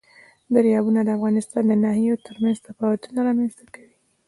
دریابونه د افغانستان د ناحیو ترمنځ تفاوتونه رامنځ ته کوي.